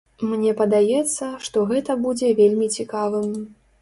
Мне падаецца, што гэта будзе вельмі цікавым.